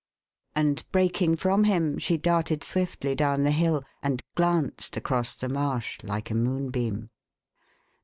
And breaking from him, she darted swiftly down the hill, and glanced across the marsh like a moonbeam.